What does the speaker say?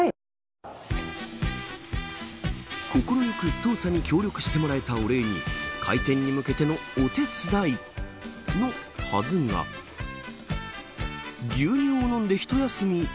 快く捜査に協力してもらえたお礼に開店に向けてのお手伝いのはずが牛乳を飲んで一休み。